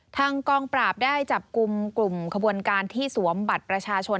ทางกองปราบได้จับกลุ่มกลุ่มขบวนการที่สวมบัตรประชาชน